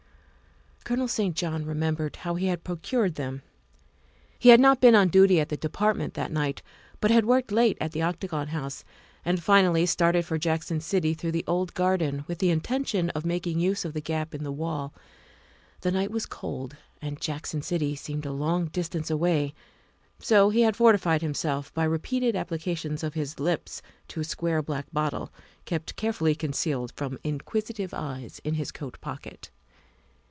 Colonel St. John remembered how he had procured them. He had not been on duty at the Department that night, but had worked late at the Octagon House and finally started for Jackson City through the old garden, with the intention of making use of the gap in the wall. The night was cold and Jackson City seemed a long dis tance away, so he had fortified himself by repeated applications of his lips to a square black bottle, kept carefully concealed from inquisitive eyes in his coat pocket.